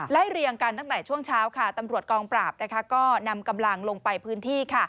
เรียงกันตั้งแต่ช่วงเช้าตำรวจกองปราบก็นำกำลังลงไปพื้นที่